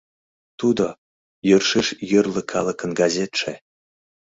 Тудо — йӧршеш йорло калыкын газетше.